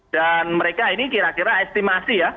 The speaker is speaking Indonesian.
dan mereka ini kira kira estimasi ya